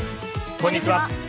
こんにちは。